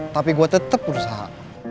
tapi gue tetep berusaha